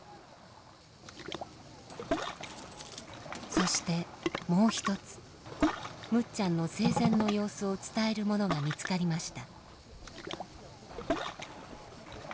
そしてもう一つむっちゃんの生前の様子を伝えるものが見つかりました。